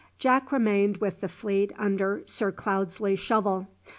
Jack remained with the fleet under Sir Cloudesley Shovel.